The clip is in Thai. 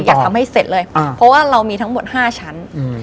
อยากให้เสร็จเลยเพราะว่าเรามีทั้งหมด๕ชั้น